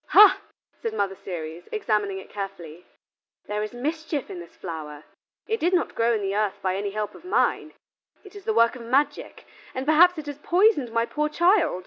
"Ha!" said Mother Ceres, examining it carefully, "there is mischief in this flower: it did not grow in the earth by any help of mine; it is the work of magic, and perhaps it has poisoned my poor child."